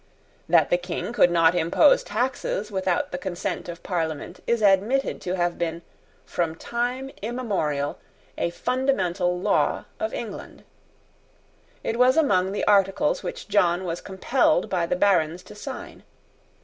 That the King could not impose taxes without the consent of Parliament is admitted to have been, from time immemorial, a fundamental law of England. It was among the articles which John was compelled by the Barons to sign.